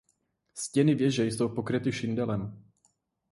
Stěny věže jsou pokryty šindelem.